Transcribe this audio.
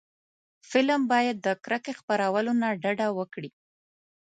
فلم باید د کرکې خپرولو نه ډډه وکړي